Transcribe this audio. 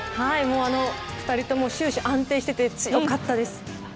２人とも終始安定していて強かったです。